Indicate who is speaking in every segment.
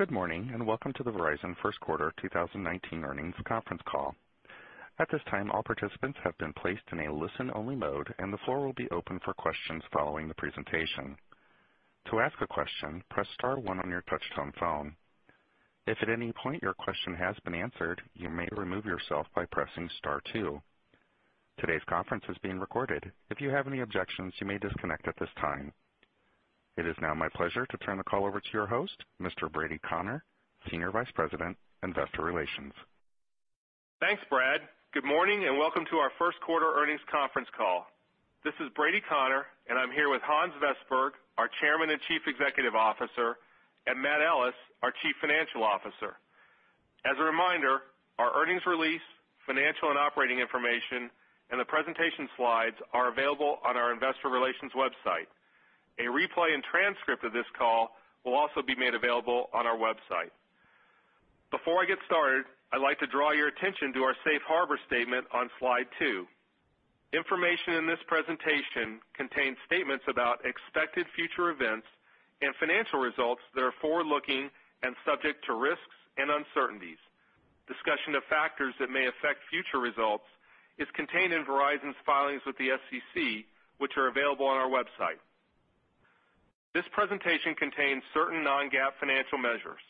Speaker 1: Good morning, and welcome to the Verizon first quarter 2019 earnings conference call. At this time, all participants have been placed in a listen-only mode, and the floor will be open for questions following the presentation. To ask a question, press star one on your touchtone phone. If at any point your question has been answered, you may remove yourself by pressing star two. Today's conference is being recorded. If you have any objections, you may disconnect at this time. It is now my pleasure to turn the call over to your host, Mr. Brady Connor, Senior Vice President, Investor Relations.
Speaker 2: Thanks, Brad. Good morning, and welcome to our first quarter earnings conference call. This is Brady Connor, and I'm here with Hans Vestberg, our Chairman and Chief Executive Officer, and Matt Ellis, our Chief Financial Officer. As a reminder, our earnings release, financial and operating information, and the presentation slides are available on our Investor Relations website. A replay and transcript of this call will also be made available on our website. Before I get started, I'd like to draw your attention to our Safe Harbor statement on slide two. Information in this presentation contains statements about expected future events and financial results that are forward-looking and subject to risks and uncertainties. Discussion of factors that may affect future results is contained in Verizon's filings with the SEC, which are available on our website. This presentation contains certain non-GAAP financial measures.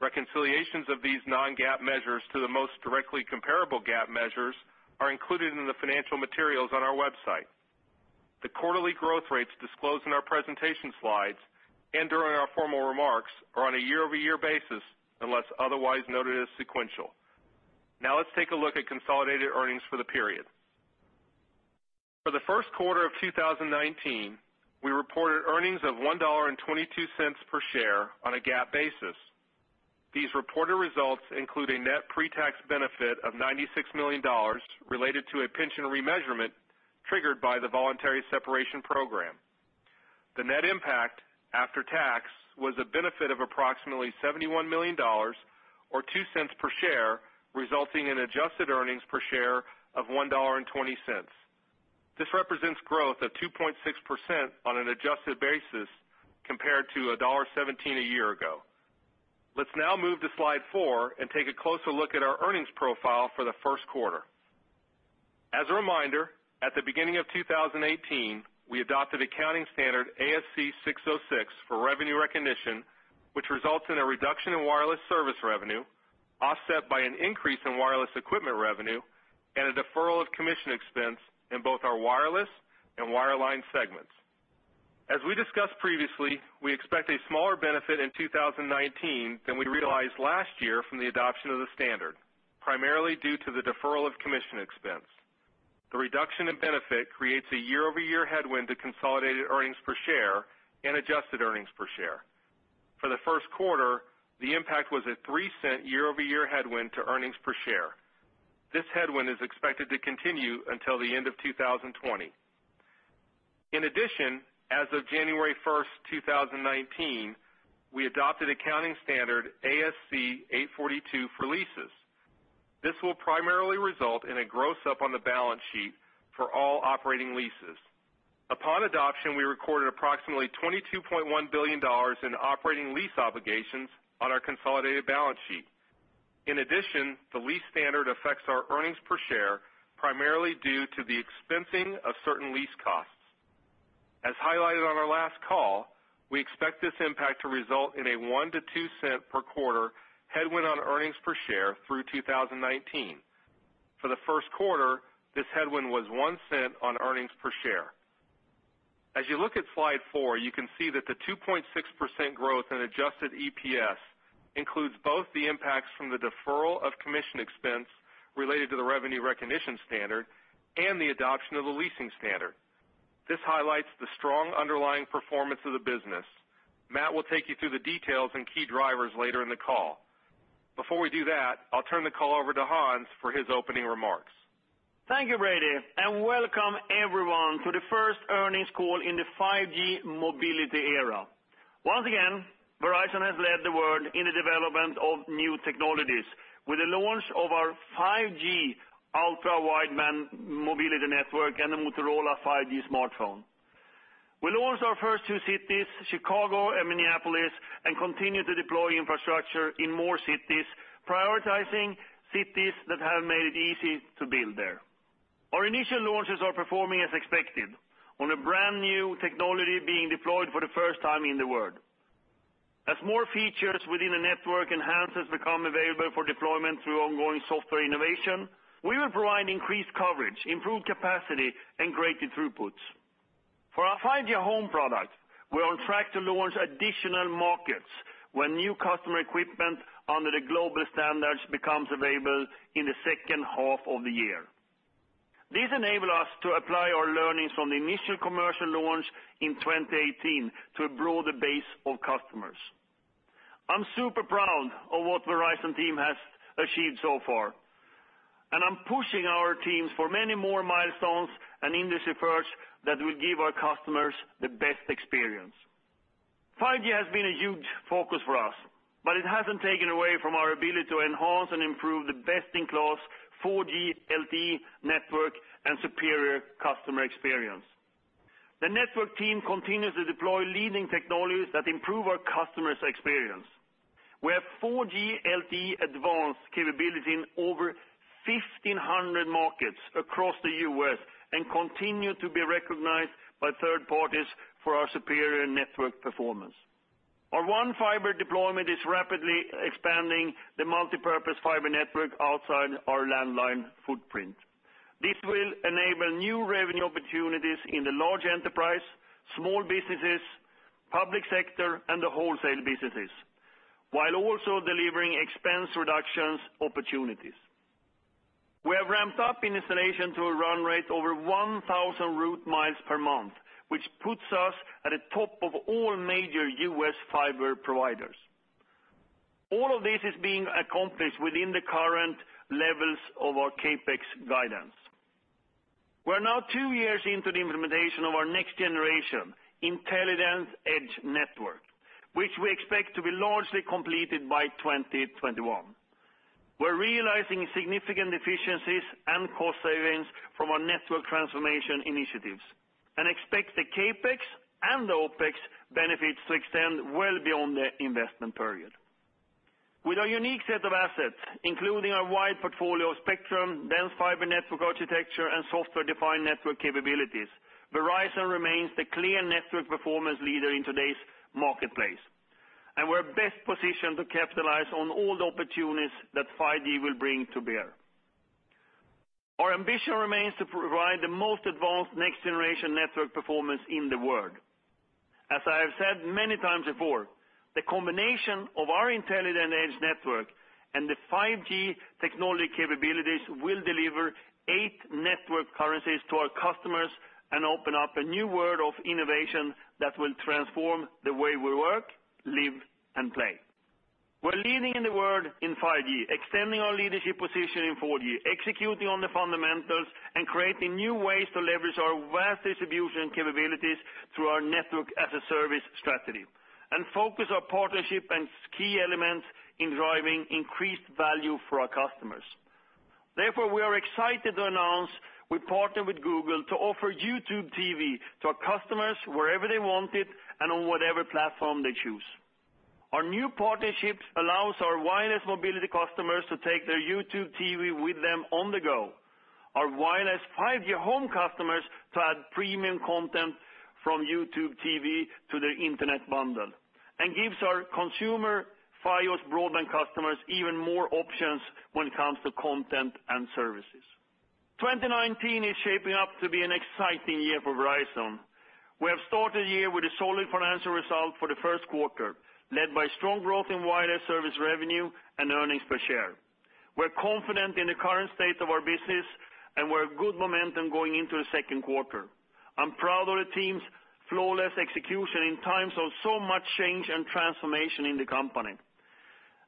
Speaker 2: Reconciliations of these non-GAAP measures to the most directly comparable GAAP measures are included in the financial materials on our website. The quarterly growth rates disclosed in our presentation slides and during our formal remarks are on a year-over-year basis unless otherwise noted as sequential. Let's take a look at consolidated earnings for the period. For the first quarter of 2019, we reported earnings of $1.22 per share on a GAAP basis. These reported results include a net pre-tax benefit of $96 million related to a pension remeasurement triggered by the voluntary separation program. The net impact after tax was a benefit of approximately $71 million or $0.02 per share, resulting in adjusted earnings per share of $1.20. This represents growth of 2.6% on an adjusted basis compared to $1.17 a year ago. Let's now move to slide four and take a closer look at our earnings profile for the first quarter. As a reminder, at the beginning of 2018, we adopted accounting standard ASC 606 for revenue recognition, which results in a reduction in wireless service revenue offset by an increase in wireless equipment revenue and a deferral of commission expense in both our wireless and wireline segments. As we discussed previously, we expect a smaller benefit in 2019 than we realized last year from the adoption of the standard, primarily due to the deferral of commission expense. The reduction in benefit creates a year-over-year headwind to consolidated earnings per share and adjusted earnings per share. For the first quarter, the impact was a $0.03 year-over-year headwind to earnings per share. This headwind is expected to continue until the end of 2020. In addition, as of January 1, 2019, we adopted accounting standard ASC 842 for leases. This will primarily result in a gross-up on the balance sheet for all operating leases. Upon adoption, we recorded approximately $22.1 billion in operating lease obligations on our consolidated balance sheet. In addition, the lease standard affects our earnings per share, primarily due to the expensing of certain lease costs. As highlighted on our last call, we expect this impact to result in a $0.01-$0.02 per quarter headwind on earnings per share through 2019. For the first quarter, this headwind was $0.01 on earnings per share. As you look at slide four, you can see that the 2.6% growth in adjusted EPS includes both the impacts from the deferral of commission expense related to the revenue recognition standard and the adoption of the leasing standard. This highlights the strong underlying performance of the business. Matt will take you through the details and key drivers later in the call. Before we do that, I'll turn the call over to Hans for his opening remarks.
Speaker 3: Thank you, Brady. Welcome everyone to the first earnings call in the 5G mobility era. Once again, Verizon has led the world in the development of new technologies with the launch of our 5G Ultra Wideband mobility network and the Motorola 5G smartphone. We launched our first two cities, Chicago and Minneapolis, and continue to deploy infrastructure in more cities, prioritizing cities that have made it easy to build there. Our initial launches are performing as expected on a brand-new technology being deployed for the first time in the world. As more features within the network enhances become available for deployment through ongoing software innovation, we will provide increased coverage, improved capacity, and greater throughputs. For our 5G Home product, we're on track to launch additional markets when new customer equipment under the global standards becomes available in the second half of the year. This enable us to apply our learnings from the initial commercial launch in 2018 to a broader base of customers. I'm super proud of what Verizon team has achieved so far, and I'm pushing our teams for many more milestones and industry firsts that will give our customers the best experience. 5G has been a huge focus for us, but it hasn't taken away from our ability to enhance and improve the best-in-class 4G LTE network and superior customer experience. The network team continues to deploy leading technologies that improve our customers' experience. We have 4G LTE Advanced capability in over 1,500 markets across the U.S., and continue to be recognized by third parties for our superior network performance. Our One Fiber deployment is rapidly expanding the multipurpose fiber network outside our landline footprint. This will enable new revenue opportunities in the large enterprise, small businesses, public sector, and the wholesale businesses, while also delivering expense reductions opportunities. We have ramped up installation to a run rate over 1,000 route miles per month, which puts us at the top of all major U.S. fiber providers. All of this is being accomplished within the current levels of our CapEx guidance. We're now two years into the implementation of our next-generation Intelligent Edge Network, which we expect to be largely completed by 2021. We're realizing significant efficiencies and cost savings from our network transformation initiatives, and expect the CapEx and OpEx benefits to extend well beyond the investment period. With our unique set of assets, including our wide portfolio of spectrum, dense fiber network architecture, and software-defined network capabilities, Verizon remains the clear network performance leader in today's marketplace, and we're best positioned to capitalize on all the opportunities that 5G will bring to bear. Our ambition remains to provide the most advanced next-generation network performance in the world. As I have said many times before, the combination of our Intelligent Edge Network and the 5G technology capabilities will deliver eight network currencies to our customers and open up a new world of innovation that will transform the way we work, live, and play. We're leading in the world in 5G, extending our leadership position in 4G, executing on the fundamentals, and creating new ways to leverage our vast distribution capabilities through our network as a service strategy, and focus our partnership and key elements in driving increased value for our customers. Therefore, we are excited to announce we partnered with Google to offer YouTube TV to our customers wherever they want it and on whatever platform they choose. Our new partnership allows our wireless mobility customers to take their YouTube TV with them on the go, our wireless 5G Home customers to add premium content from YouTube TV to their internet bundle, and gives our consumer Fios broadband customers even more options when it comes to content and services. 2019 is shaping up to be an exciting year for Verizon. We have started the year with a solid financial result for the first quarter, led by strong growth in wireless service revenue and earnings per share. We're confident in the current state of our business, and we're good momentum going into the second quarter. I'm proud of the team's flawless execution in times of so much change and transformation in the company.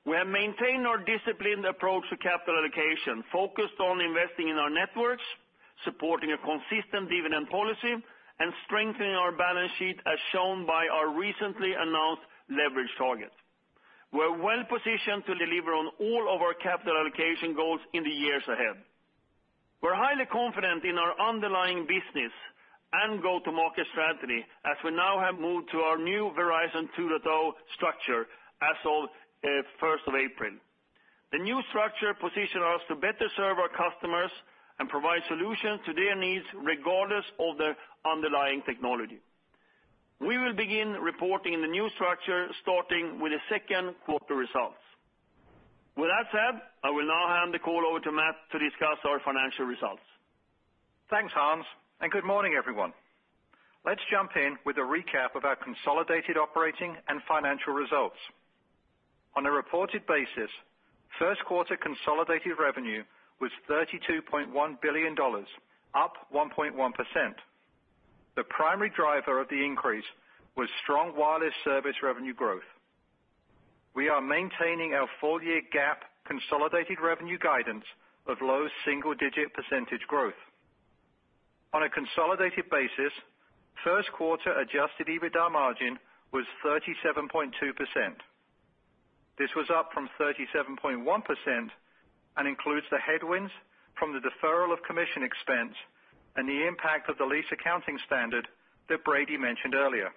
Speaker 3: We have maintained our disciplined approach to capital allocation, focused on investing in our networks, supporting a consistent dividend policy, and strengthening our balance sheet, as shown by our recently announced leverage target. We're well-positioned to deliver on all of our capital allocation goals in the years ahead. We're highly confident in our underlying business and go-to-market strategy, as we now have moved to our new Verizon 2.0 structure as of first of April. The new structure positions us to better serve our customers and provide solutions to their needs, regardless of the underlying technology. We will begin reporting the new structure starting with the second quarter results. With that said, I will now hand the call over to Matt to discuss our financial results.
Speaker 4: Thanks, Hans, good morning, everyone. Let's jump in with a recap of our consolidated operating and financial results. On a reported basis, first quarter consolidated revenue was $32.1 billion, up 1.1%. The primary driver of the increase was strong wireless service revenue growth. We are maintaining our full-year GAAP consolidated revenue guidance of low single-digit percentage growth. On a consolidated basis, first quarter adjusted EBITDA margin was 37.2%. This was up from 37.1% and includes the headwinds from the deferral of commission expense and the impact of the lease accounting standard that Brady mentioned earlier.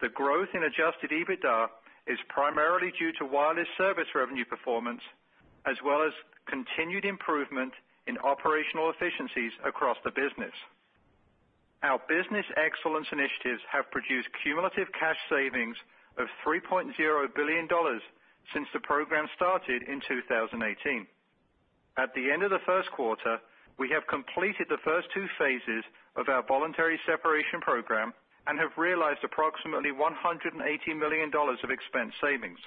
Speaker 4: The growth in adjusted EBITDA is primarily due to wireless service revenue performance, as well as continued improvement in operational efficiencies across the business. Our business excellence initiatives have produced cumulative cash savings of $3.0 billion since the program started in 2018. At the end of the first quarter, we have completed the first two phases of our voluntary separation program and have realized approximately $180 million of expense savings.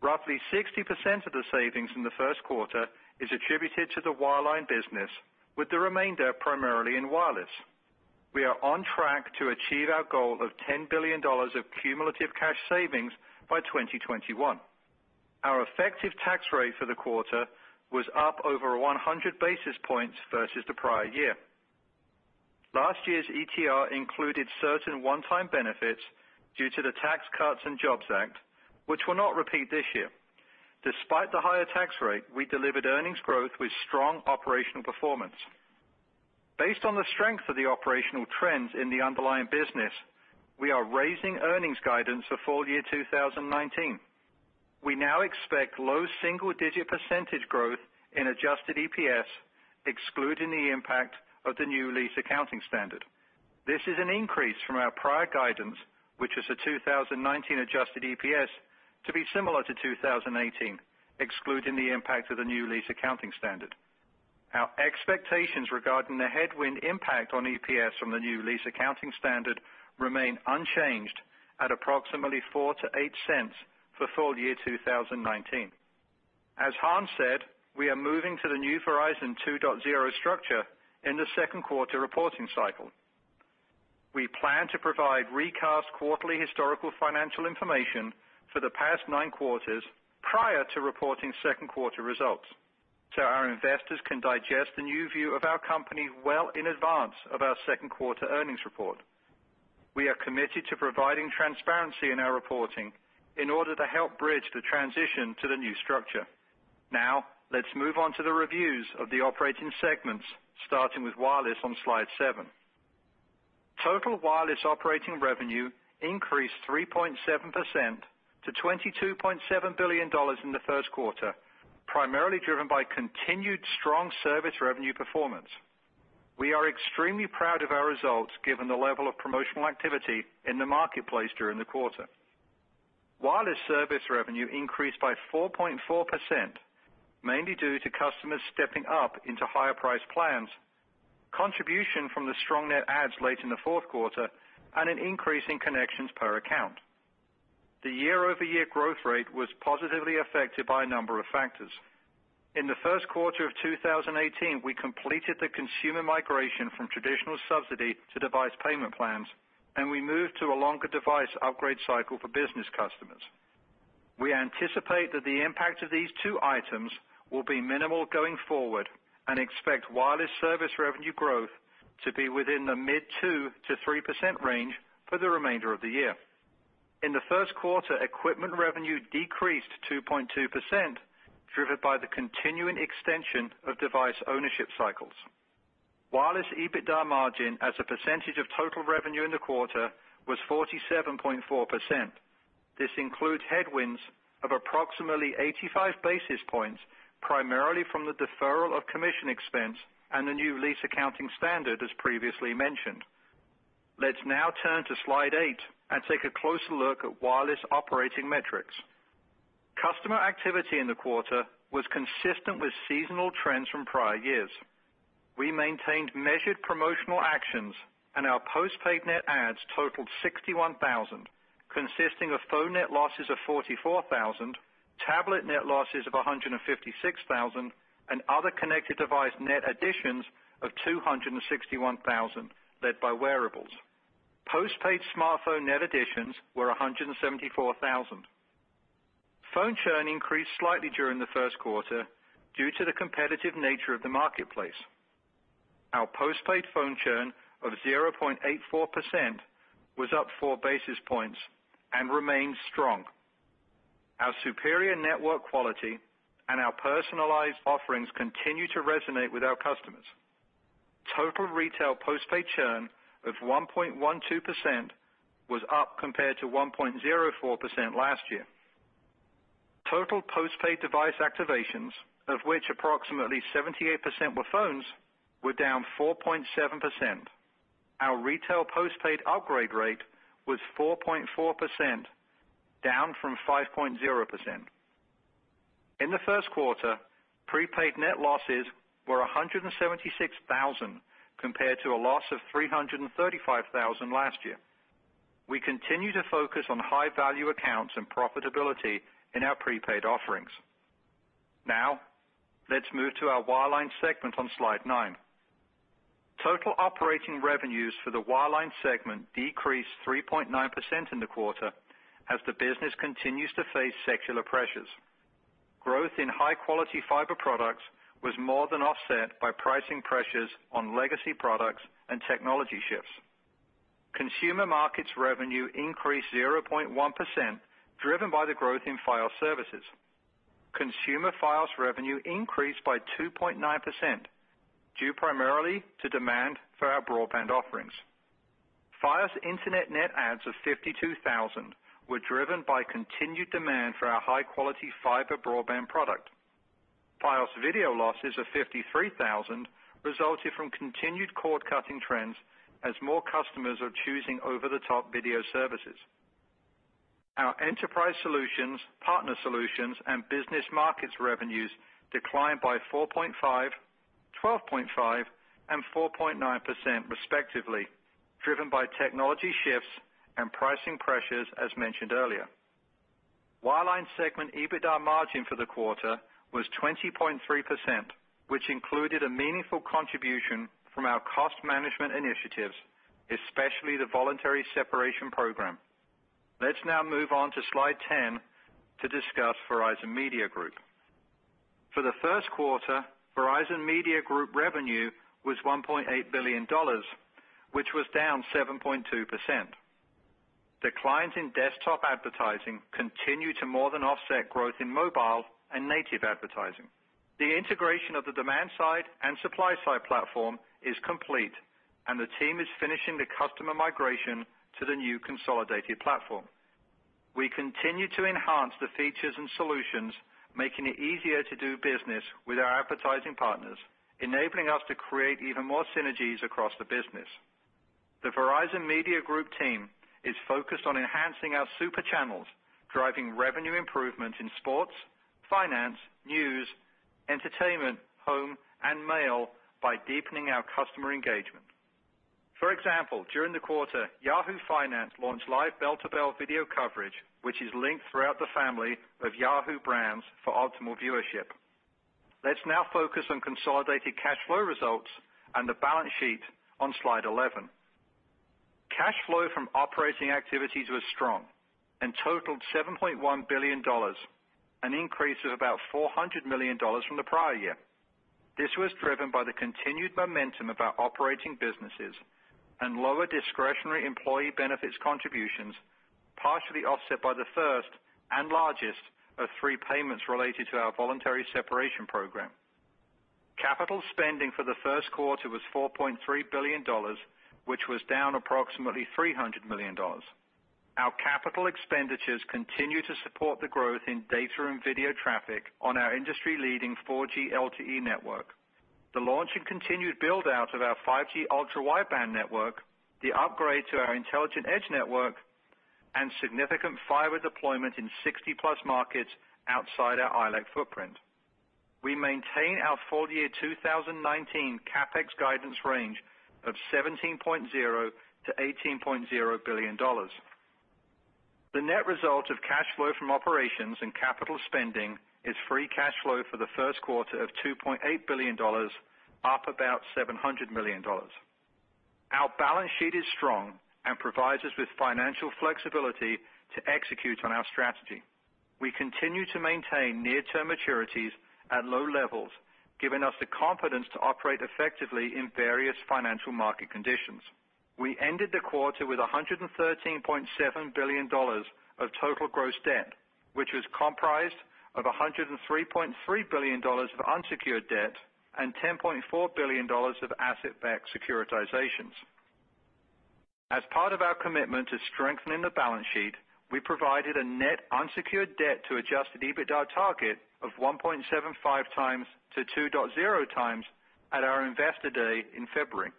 Speaker 4: Roughly 60% of the savings in the first quarter is attributed to the wireline business, with the remainder primarily in wireless. We are on track to achieve our goal of $10 billion of cumulative cash savings by 2021. Our effective tax rate for the quarter was up over 100 basis points versus the prior year. Last year's ETR included certain one-time benefits due to the Tax Cuts and Jobs Act, which will not repeat this year. Despite the higher tax rate, we delivered earnings growth with strong operational performance. Based on the strength of the operational trends in the underlying business, we are raising earnings guidance for full year 2019. We now expect low single-digit % growth in adjusted EPS, excluding the impact of the new lease accounting standard. This is an increase from our prior guidance, which was a 2019 adjusted EPS to be similar to 2018, excluding the impact of the new lease accounting standard. Our expectations regarding the headwind impact on EPS from the new lease accounting standard remain unchanged at approximately $0.04-$0.08 for full year 2019. As Hans said, we are moving to the new Verizon 2.0 structure in the second quarter reporting cycle. We plan to provide recast quarterly historical financial information for the past nine quarters prior to reporting second quarter results, so our investors can digest the new view of our company well in advance of our second quarter earnings report. We are committed to providing transparency in our reporting in order to help bridge the transition to the new structure. Let's move on to the reviews of the operating segments, starting with Wireless on slide seven. Total Wireless operating revenue increased 3.7% to $22.7 billion in the first quarter, primarily driven by continued strong service revenue performance. We are extremely proud of our results given the level of promotional activity in the marketplace during the quarter. Wireless service revenue increased by 4.4%, mainly due to customers stepping up into higher-priced plans, contribution from the strong net adds late in the fourth quarter, and an increase in connections per account. The year-over-year growth rate was positively affected by a number of factors. In the first quarter of 2018, we completed the consumer migration from traditional subsidy to device payment plans, and we moved to a longer device upgrade cycle for business customers. We anticipate that the impact of these two items will be minimal going forward, and expect wireless service revenue growth to be within the mid 2%-3% range for the remainder of the year. In the first quarter, equipment revenue decreased 2.2%, driven by the continuing extension of device ownership cycles. Wireless EBITDA margin as a percentage of total revenue in the quarter was 47.4%. This includes headwinds of approximately 85 basis points, primarily from the deferral of commission expense and the new lease accounting standard as previously mentioned. Let's now turn to slide eight and take a closer look at Wireless operating metrics. Customer activity in the quarter was consistent with seasonal trends from prior years. We maintained measured promotional actions and our postpaid net adds totaled 61,000, consisting of phone net losses of 44,000, tablet net losses of 156,000, and other connected device net additions of 261,000, led by wearables. Postpaid smartphone net additions were 174,000. Phone churn increased slightly during the first quarter due to the competitive nature of the marketplace. Our postpaid phone churn of 0.84% was up 4 basis points and remains strong. Our superior network quality and our personalized offerings continue to resonate with our customers. Total retail postpaid churn of 1.12% was up compared to 1.04% last year. Total postpaid device activations, of which approximately 78% were phones, were down 4.7%. Our retail postpaid upgrade rate was 4.4%, down from 5.0%. In the first quarter, prepaid net losses were 176,000, compared to a loss of 335,000 last year. We continue to focus on high-value accounts and profitability in our prepaid offerings. Let's move to our Wireline segment on slide nine. Total operating revenues for the Wireline segment decreased 3.9% in the quarter as the business continues to face secular pressures. Growth in high-quality fiber products was more than offset by pricing pressures on legacy products and technology shifts. Consumer markets revenue increased 0.1%, driven by the growth in Fios services. Consumer Fios revenue increased by 2.9%, due primarily to demand for our broadband offerings. Fios Internet net adds of 52,000 were driven by continued demand for our high-quality fiber broadband product. Fios Video losses of 53,000 resulted from continued cord-cutting trends as more customers are choosing over-the-top video services. Our Enterprise Solutions, Partner Solutions, and Business Markets revenues declined by 4.5%, 12.5%, and 4.9% respectively, driven by technology shifts and pricing pressures, as mentioned earlier. Wireline segment EBITDA margin for the quarter was 20.3%, which included a meaningful contribution from our cost management initiatives, especially the Voluntary Separation Program. Let's now move on to slide 10 to discuss Verizon Media Group. For the first quarter, Verizon Media Group revenue was $1.8 billion, which was down 7.2%. Declines in desktop advertising continue to more than offset growth in mobile and native advertising. The integration of the demand-side and supply-side platform is complete, and the team is finishing the customer migration to the new consolidated platform. We continue to enhance the features and solutions, making it easier to do business with our advertising partners, enabling us to create even more synergies across the business. The Verizon Media Group team is focused on enhancing our Super Channels, driving revenue improvement in sports, finance, news, entertainment, home, and mail by deepening our customer engagement. For example, during the quarter, Yahoo Finance launched live bell-to-bell video coverage, which is linked throughout the family of Yahoo brands for optimal viewership. Let's now focus on consolidated cash flow results and the balance sheet on slide 11. Cash flow from operating activities was strong and totaled $7.1 billion, an increase of about $400 million from the prior year. This was driven by the continued momentum of our operating businesses and lower discretionary employee benefits contributions, partially offset by the first and largest of three payments related to our voluntary separation program. Capital spending for the first quarter was $4.3 billion, which was down approximately $300 million. Our capital expenditures continue to support the growth in data and video traffic on our industry-leading 4G LTE network, the launch and continued build-out of our 5G Ultra Wideband network, the upgrade to our Intelligent Edge Network, and significant fiber deployment in 60-plus markets outside our ILEC footprint. We maintain our full year 2019 CapEx guidance range of $17.0 billion-$18.0 billion. The net result of cash flow from operations and capital spending is free cash flow for the first quarter of $2.8 billion, up about $700 million. Our balance sheet is strong and provides us with financial flexibility to execute on our strategy. We continue to maintain near-term maturities at low levels, giving us the confidence to operate effectively in various financial market conditions. We ended the quarter with $113.7 billion of total gross debt, which was comprised of $103.3 billion of unsecured debt and $10.4 billion of asset-backed securitizations. As part of our commitment to strengthening the balance sheet, we provided a net unsecured debt to adjusted EBITDA target of 1.75x to 2.0x at our Investor Day in February.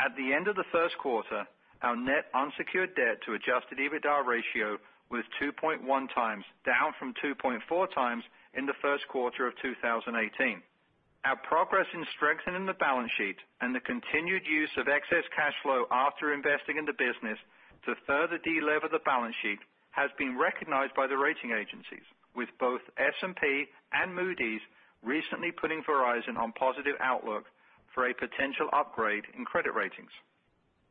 Speaker 4: At the end of the first quarter, our net unsecured debt to adjusted EBITDA ratio was 2.1x, down from 2.4x in the first quarter of 2018. Our progress in strengthening the balance sheet and the continued use of excess cash flow after investing in the business to further delever the balance sheet has been recognized by the rating agencies, with both S&P and Moody's recently putting Verizon on positive outlook for a potential upgrade in credit ratings.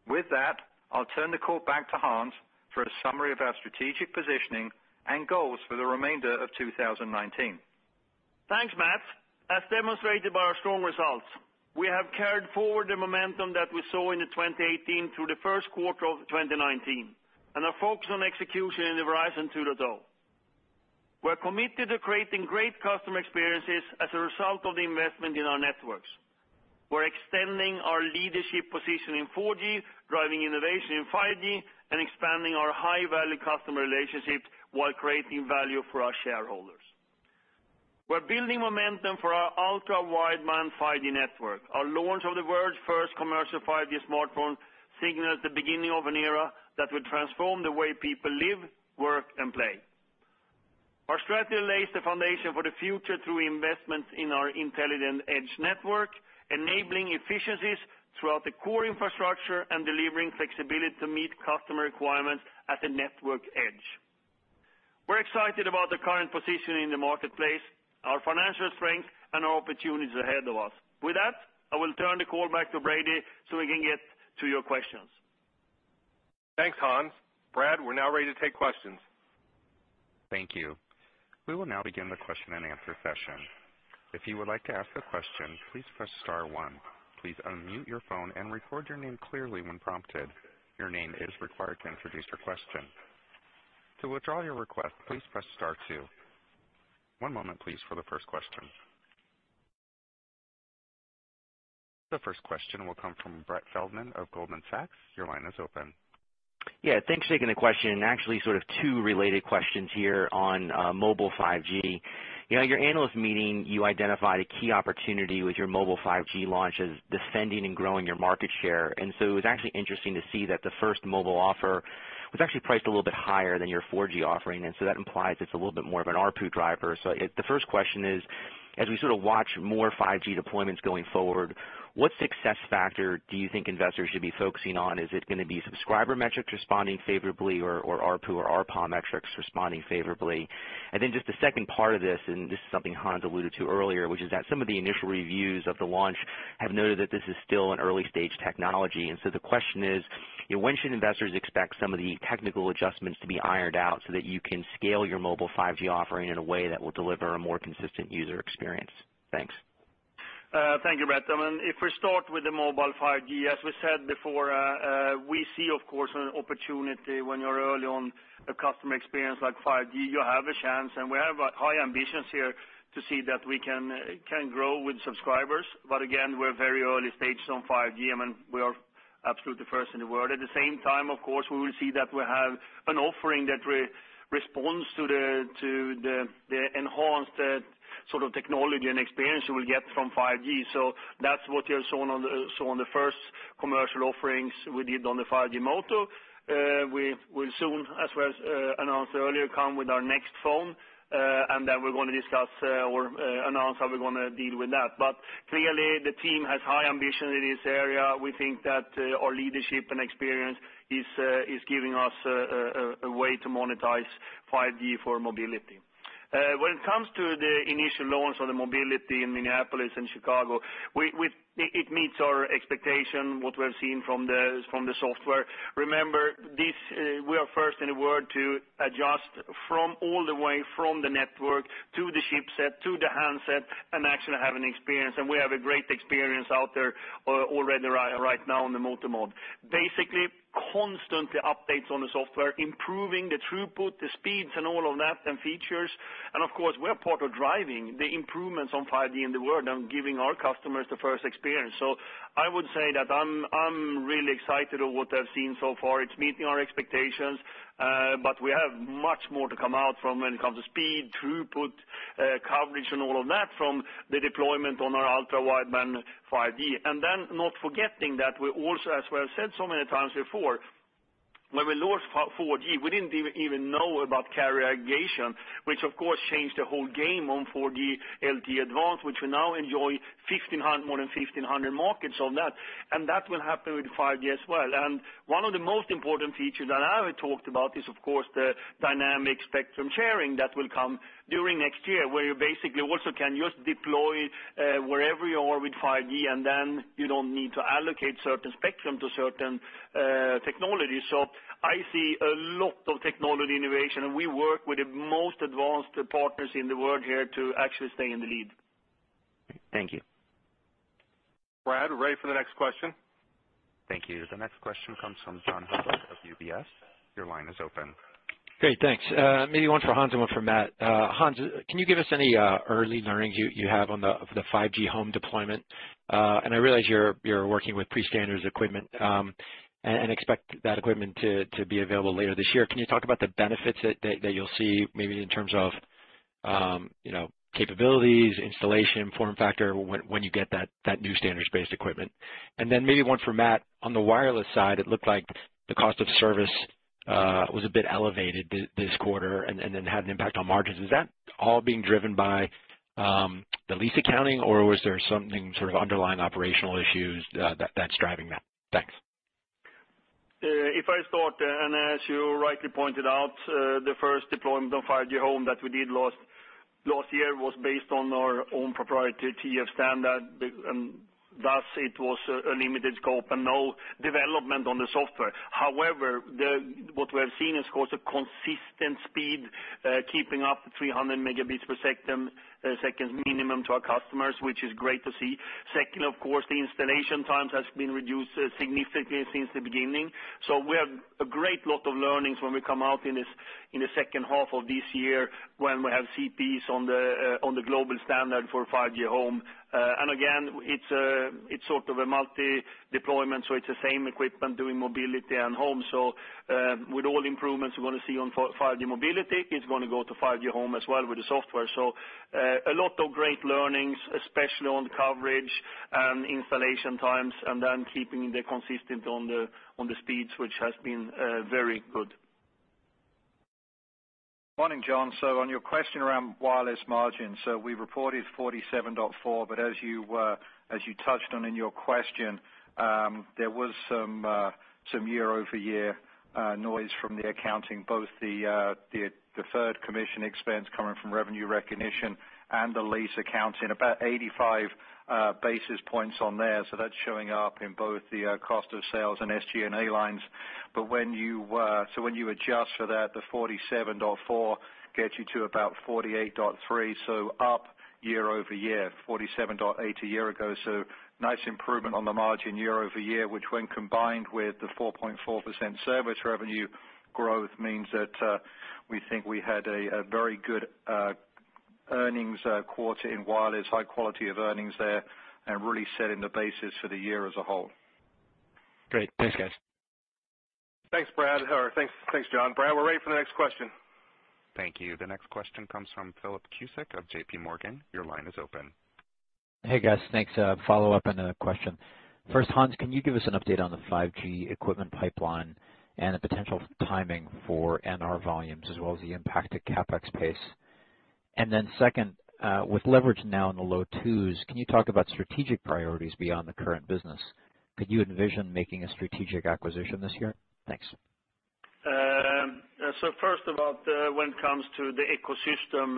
Speaker 4: With that, I'll turn the call back to Hans for a summary of our strategic positioning and goals for the remainder of 2019.
Speaker 3: Thanks, Matt. As demonstrated by our strong results, we have carried forward the momentum that we saw in the 2018 through the first quarter of 2019 and are focused on execution in the Verizon 2.0. We're committed to creating great customer experiences as a result of the investment in our networks. We're extending our leadership position in 4G, driving innovation in 5G, and expanding our high-value customer relationships while creating value for our shareholders. We're building momentum for our 5G Ultra Wideband network. Our launch of the world's first commercial 5G smartphone signals the beginning of an era that will transform the way people live, work, and play. Our strategy lays the foundation for the future through investments in our Intelligent Edge Network, enabling efficiencies throughout the core infrastructure and delivering flexibility to meet customer requirements at the network edge. We're excited about the current position in the marketplace, our financial strength, and our opportunities ahead of us. With that, I will turn the call back to Brady, so we can get to your questions.
Speaker 2: Thanks, Hans. Brad, we're now ready to take questions.
Speaker 1: Thank you. We will now begin the question-and-answer session. If you would like to ask a question, please press star one. Please unmute your phone and record your name clearly when prompted. Your name is required to introduce your question. To withdraw your request, please press star two. One moment, please, for the first question. The first question will come from Brett Feldman of Goldman Sachs. Your line is open.
Speaker 5: Yeah, thanks for taking the question. Actually, sort of two related questions here on mobile 5G. You know, at your analyst meeting, you identified a key opportunity with your mobile 5G launch as defending and growing your market share, it was actually interesting to see that the first mobile offer was actually priced a little bit higher than your 4G offering, that implies it's a little bit more of an ARPU driver. The first question is, as we sort of watch more 5G deployments going forward, what success factor do you think investors should be focusing on? Is it gonna be subscriber metrics responding favorably or ARPU or ARPA metrics responding favorably? Just the second part of this, and this is something Hans alluded to earlier, which is that some of the initial reviews of the launch have noted that this is still an early-stage technology. The question is, you know, when should investors expect some of the technical adjustments to be ironed out so that you can scale your mobile 5G offering in a way that will deliver a more consistent user experience? Thanks.
Speaker 3: Thank you, Brett. If we start with the mobile 5G, as we said before, we see of course an opportunity when you're early on a customer experience like 5G, you have a chance, and we have high ambitions here to see that we can grow with subscribers. Again, we're very early stages on 5G, we are absolutely first in the world. At the same time, of course, we will see that we have an offering that re-responds to the enhanced sort of technology and experience you will get from 5G. That's what you're seeing on the first commercial offerings we did on the 5G Moto. We'll soon, as well as announced earlier, come with our next phone, and then we're gonna discuss or announce how we're gonna deal with that. Clearly, the team has high ambition in this area. We think that our leadership and experience is giving us a way to monetize 5G for mobility. When it comes to the initial launch on the mobility in Minneapolis and Chicago, it meets our expectation, what we're seeing from the software. Remember, this, we are first in the world to adjust from all the way from the network to the chipset, to the handset, and actually have an experience. We have a great experience out there already right now on the Moto Mod. Basically, constantly updates on the software, improving the throughput, the speeds and all of that, and features. Of course, we're part of driving the improvements on 5G in the world and giving our customers the first experience. I would say that I'm really excited of what I've seen so far. It's meeting our expectations, but we have much more to come out from when it comes to speed, throughput, coverage, and all of that from the deployment on our 5G Ultra Wideband. Not forgetting that we also, as we have said so many times before, when we launched 4G, we didn't even know about carrier aggregation, which of course changed the whole game on 4G LTE Advanced, which we now enjoy more than 1,500 markets on that, and that will happen with 5G as well. One of the most important features that I already talked about is, of course, the Dynamic Spectrum Sharing that will come during next year, where you basically also can just deploy wherever you are with 5G, and then you don't need to allocate certain spectrum to certain technologies. I see a lot of technology innovation, and we work with the most advanced partners in the world here to actually stay in the lead.
Speaker 5: Thank you.
Speaker 2: Brad, we're ready for the next question.
Speaker 1: Thank you. The next question comes from John Hodulik of UBS. Your line is open.
Speaker 6: Great. Thanks. Maybe one for Hans and one for Matt. Hans, can you give us any early learnings you have on the 5G Home deployment? I realize you're working with pre-standards equipment and expect that equipment to be available later this year. Can you talk about the benefits that you'll see maybe in terms of, you know, capabilities, installation, form factor when you get that new standards-based equipment? Maybe one for Matt. On the wireless side, it looked like the cost of service was a bit elevated this quarter and then had an impact on margins. Is that all being driven by the lease accounting, or was there something sort of underlying operational issues that's driving that? Thanks.
Speaker 3: If I start, as you rightly pointed out, the first deployment of 5G Home that we did last year was based on our own proprietary TF standard. Thus it was a limited scope and no development on the software. However, what we have seen is, of course, a consistent speed, keeping up 300 Mbps minimum to our customers, which is great to see. Second, of course, the installation times has been reduced significantly since the beginning. We have a great lot of learnings when we come out in this, in the second half of this year when we have CPEs on the global standard for 5G Home. Again, it's sort of a multi-deployment, it's the same equipment doing mobility and home. With all improvements we're going to see on 5G mobility, it's going to go to 5G Home as well with the software. A lot of great learnings, especially on the coverage and installation times and then keeping the consistent on the, on the speeds, which has been very good.
Speaker 4: Morning, John. On your question around wireless margin, we reported 47.4%, but as you, as you touched on in your question, there was some year-over-year noise from the accounting, both the deferred commission expense coming from revenue recognition and the lease accounting, about 85 basis points on there. That's showing up in both the cost of sales and SG&A lines. When you adjust for that, the 47.4% gets you to about 48.3%, up year-over-year, 47.8% a year ago. Nice improvement on the margin year-over-year, which when combined with the 4.4% service revenue growth, means that, we think we had a very good earnings quarter in wireless, high quality of earnings there, and really setting the basis for the year as a whole.
Speaker 6: Great. Thanks, guys.
Speaker 2: Thanks, Brad. Thanks, John. Brad, we're ready for the next question.
Speaker 1: Thank you. The next question comes from Philip Cusick of JPMorgan. Your line is open.
Speaker 7: Hey, guys. Thanks. A follow-up and a question. First, Hans, can you give us an update on the 5G equipment pipeline and the potential timing for NR volumes as well as the impact to CapEx pace? Second, with leverage now in the low 2s, can you talk about strategic priorities beyond the current business? Could you envision making a strategic acquisition this year? Thanks.
Speaker 3: When it comes to the ecosystem,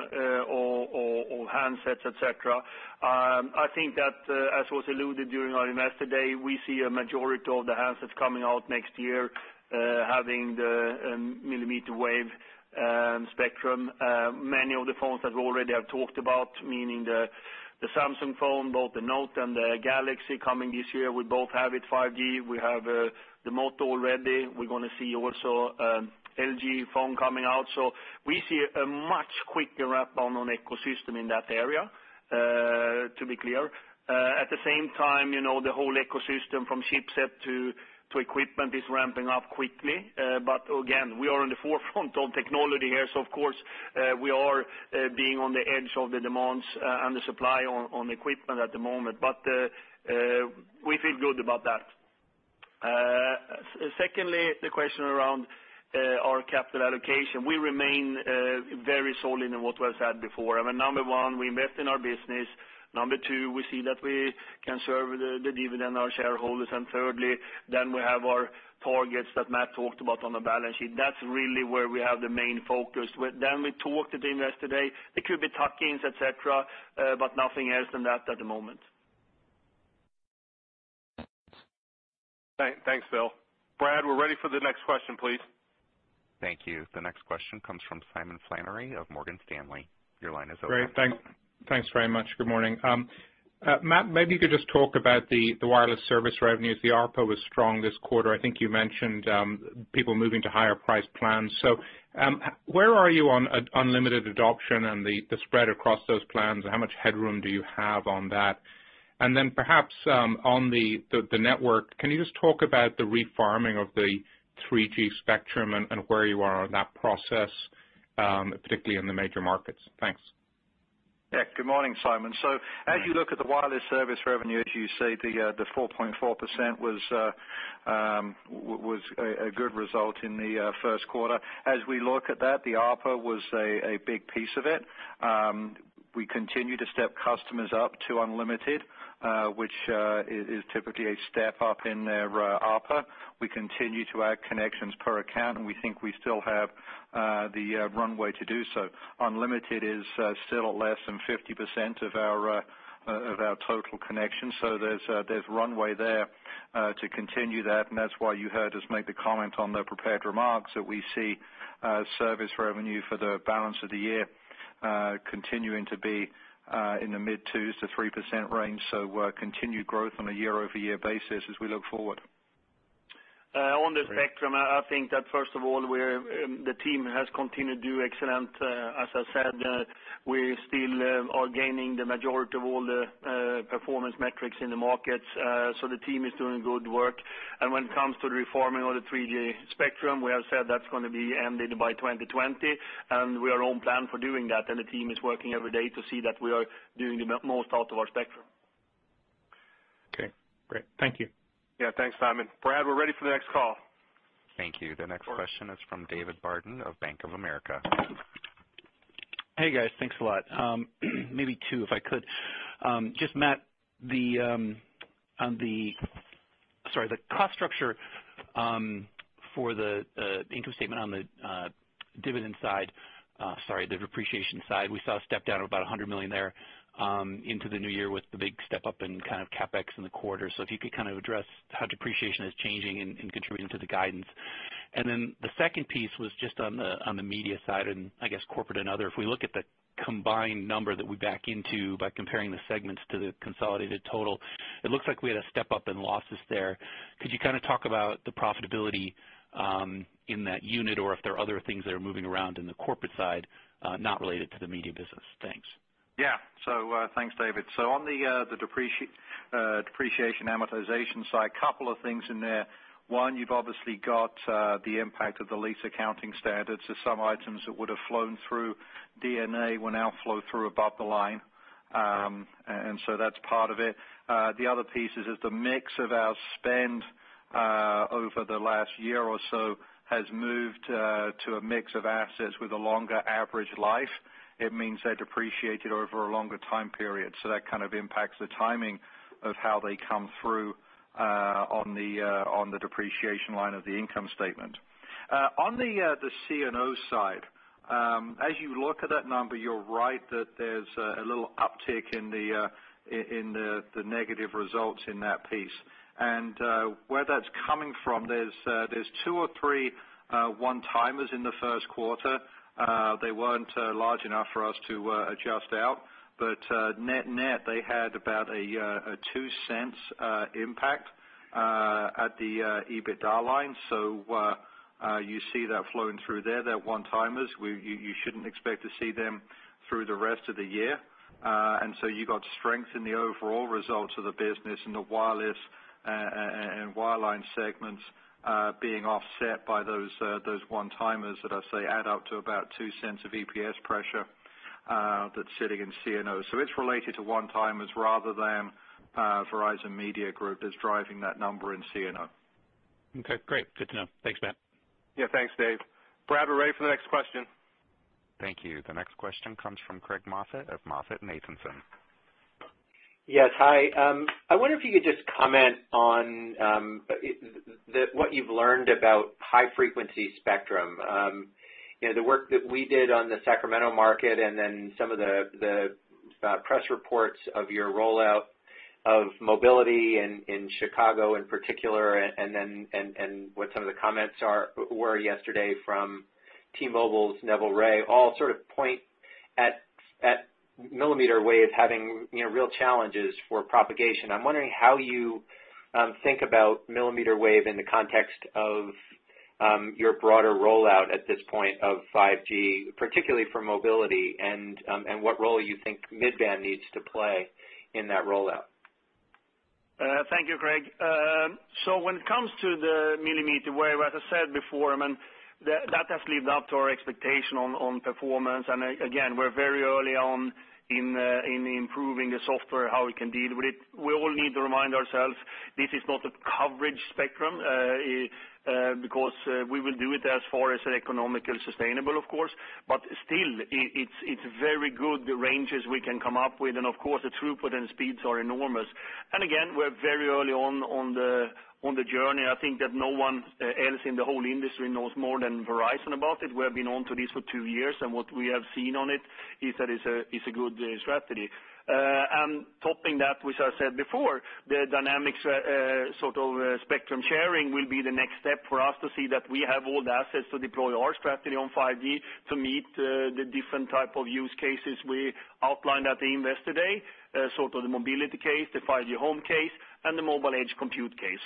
Speaker 3: or handsets, et cetera, I think that, as was alluded during our Investor Day, we see a majority of the handsets coming out next year, having the millimeter-wave spectrum. Many of the phones that we already have talked about, meaning the Samsung phone, both the Note and the Galaxy coming this year, will both have it, 5G. We have the Moto already. We're gonna see also LG phone coming out. We see a much quicker ramp on ecosystem in that area, to be clear. You know, the whole ecosystem from chipset to equipment is ramping up quickly. Again, we are in the forefront of technology here, of course, we are being on the edge of the demands and the supply on equipment at the moment. We feel good about that. Secondly, the question around our capital allocation. We remain very solid in what was said before. I mean, number one, we invest in our business. Number two, we see that we can serve the dividend, our shareholders. Thirdly, we have our targets that Matt talked about on the balance sheet. That's really where we have the main focus. We talked at Investor Day, there could be tuck-ins, et cetera, nothing else than that at the moment.
Speaker 2: Thanks, Phil. Brad, we're ready for the next question, please.
Speaker 1: Thank you. The next question comes from Simon Flannery of Morgan Stanley. Your line is open.
Speaker 8: Great. Thanks very much. Good morning. Matt, maybe you could just talk about the wireless service revenues. The ARPA was strong this quarter. I think you mentioned people moving to higher priced plans. Where are you on unlimited adoption and the spread across those plans? How much headroom do you have on that? Perhaps on the network, can you just talk about the refarming of the 3G spectrum and where you are on that process, particularly in the major markets? Thanks.
Speaker 4: Good morning, Simon. As you look at the wireless service revenue, as you say, the 4.4% was a good result in the first quarter. As we look at that, the ARPA was a big piece of it. We continue to step customers up to unlimited, which is typically a step up in their ARPA. We continue to add connections per account. We think we still have the runway to do so. Unlimited is still less than 50% of our of our total connections, so there's runway there to continue that, and that's why you heard us make the comment on the prepared remarks that we see service revenue for the balance of the year continuing to be in the mid 2%-3% range, so continued growth on a year-over-year basis as we look forward.
Speaker 3: On the spectrum, I think that first of all, the team has continued to do excellent. As I said, we still are gaining the majority of all the performance metrics in the markets. The team is doing good work. When it comes to the refarming of the 3G spectrum, we have said that's gonna be ended by 2020, and we are on plan for doing that, and the team is working every day to see that we are doing the most out of our spectrum.
Speaker 8: Okay, great. Thank you.
Speaker 2: Yeah. Thanks, Simon. Brad, we're ready for the next call.
Speaker 1: Thank you. The next question is from David Barden of Bank of America.
Speaker 9: Hey, guys. Thanks a lot. Maybe two, if I could. Just Matt, on the cost structure for the income statement on the depreciation side, we saw a step down of about $100 million there into the new year with the big step up in kind of CapEx in the quarter. If you could kind of address how depreciation is changing and contributing to the guidance. The second piece was just on the media side and I guess corporate and other. If we look at the combined number that we back into by comparing the segments to the consolidated total, it looks like we had a step up in losses there. Could you kind of talk about the profitability in that unit, or if there are other things that are moving around in the corporate side, not related to the media business? Thanks.
Speaker 4: Thanks, David. On the depreciation amortization side, two things in there. One, you've obviously got the impact of the lease accounting standards. There's some items that would have flown through D&A will now flow through above the line. That's part of it. The other piece is the mix of our spend over the last year or so has moved to a mix of assets with a longer average life. It means they depreciate it over a longer time period. That kind of impacts the timing of how they come through on the depreciation line of the income statement. On the C&O side, as you look at that number, you're right that there's a little uptick in the negative results in that piece. Where that's coming from, there's two or three one-timers in the first quarter. They weren't large enough for us to adjust out, but net-net, they had about a $0.02 impact at the EBITDA line. You see that flowing through there. They're one-timers. You shouldn't expect to see them through the rest of the year. You got strength in the overall results of the business in the wireless, and wireline segments, being offset by those one-timers that I say add up to about $0.02 of EPS pressure, that's sitting in C&O. It's related to one-timers rather than Verizon Media Group that's driving that number in C&O.
Speaker 9: Okay, great. Good to know. Thanks, Matt.
Speaker 2: Yeah, thanks, Dave. Brad, we're ready for the next question.
Speaker 1: Thank you. The next question comes from Craig Moffett of MoffettNathanson.
Speaker 10: Yes. Hi. I wonder if you could just comment on what you've learned about high frequency spectrum? You know, the work that we did on the Sacramento market and then some of the press reports of your rollout of mobility in Chicago in particular, and then what some of the comments were yesterday from T-Mobile's Neville Ray all sort of point at millimeter wave having, you know, real challenges for propagation. I'm wondering how you think about millimeter wave in the context of your broader rollout at this point of 5G, particularly for mobility and what role you think mid-band needs to play in that rollout?
Speaker 3: Thank you, Craig Moffett. When it comes to the millimeter wave, as I said before, I mean, that has lived up to our expectation on performance. Again, we're very early on in improving the software, how we can deal with it. We all need to remind ourselves, this is not a coverage spectrum, because we will do it as far as economical sustainable of course, but still, it's very good the ranges we can come up with. Of course, the throughput and speeds are enormous. Again, we're very early on the journey. I think that no one else in the whole industry knows more than Verizon about it. We have been onto this for two years, and what we have seen on it is that it's a good strategy. Topping that, which I said before, the dynamic spectrum sharing will be the next step for us to see that we have all the assets to deploy our strategy on 5G to meet the different type of use cases we outlined at the Investor Day, to the mobility case, the 5G Home case, and the mobile edge computing case.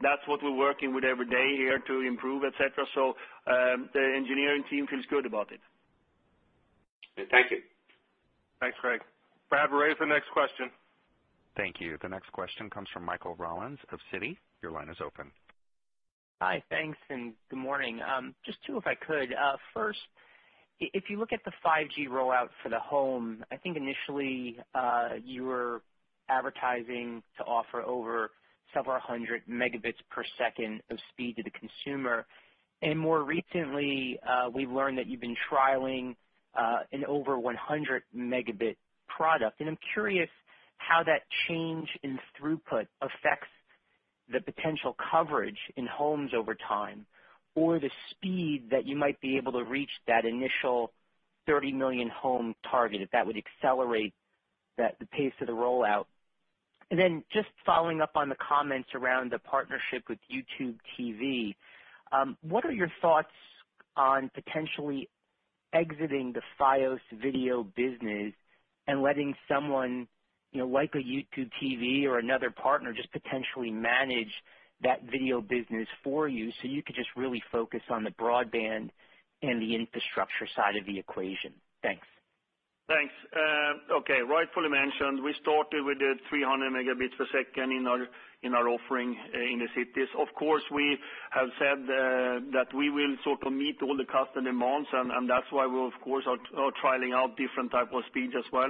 Speaker 3: That's what we're working with every day here to improve, et cetera. The engineering team feels good about it.
Speaker 10: Thank you.
Speaker 2: Thanks, Craig Moffett. Brady Connor, we're ready for the next question.
Speaker 1: Thank you. The next question comes from Michael Rollins of Citi. Your line is open.
Speaker 11: Hi. Thanks and good morning. Just two, if I could. First, if you look at the 5G rollout for the home, I think initially, you were advertising to offer over several hundred megabits per second of speed to the consumer. More recently, we've learned that you've been trialing an over 100 Mb product. I'm curious how that change in throughput affects the potential coverage in homes over time, or the speed that you might be able to reach that initial 30 million home target, if that would accelerate the pace of the rollout. Just following up on the comments around the partnership with YouTube TV, what are your thoughts on potentially exiting the Fios TV business and letting someone, you know, like a YouTube TV or another partner just potentially manage that video business for you so you could just really focus on the broadband and the infrastructure side of the equation? Thanks.
Speaker 3: Thanks. Okay. Rightfully mentioned, we started with the 300 Mbps in our offering in the cities. Of course, we have said that we will sort of meet all the customer demands, and that's why we, of course, are trialing out different type of speeds as well.